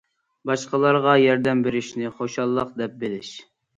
باشقىلارغا ياردەم بېرىشنى خۇشاللىق، دەپ بىلىش.